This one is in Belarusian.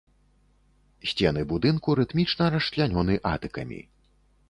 Сцены будынку рытмічна расчлянёны атыкамі.